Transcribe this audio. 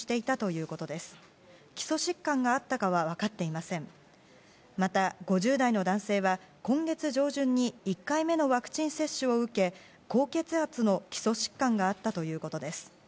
また５０代の男性は、今月上旬に１回目のワクチン接種を受け高血圧の基礎疾患があったということです。